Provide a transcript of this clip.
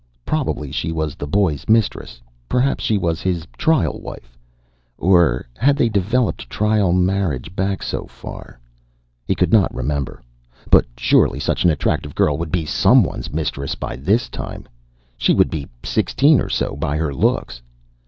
Probably she was the boy's mistress. Perhaps she was his trial wife. Or had they developed trial marriage back so far? He could not remember. But surely such an attractive girl would be someone's mistress by this time; she would be sixteen or so, by her looks.